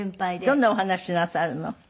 どんなお話なさるの？